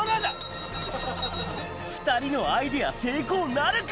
２人のアイデア成功なるか？